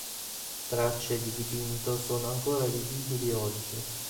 Tracce di dipinto sono ancora visibili oggi.